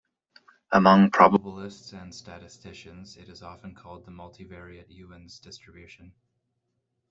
Among probabilists and statisticians it is often called the multivariate Ewens distribution.